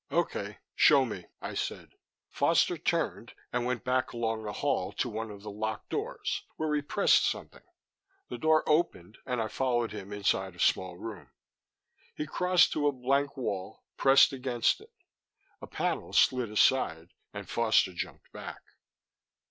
"OK show me," I said. Foster turned and went back along the hall to one of the locked doors where he pressed something. The door opened and I followed him inside a small room. He crossed to a blank wall, pressed against it. A panel slid aside and Foster jumped back.